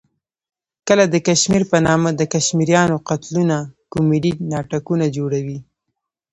کله د کشمیر په نامه د کشمیریانو قتلونه کومیډي ناټکونه جوړوي.